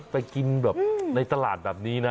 ไปกินแบบในตลาดแบบนี้นะ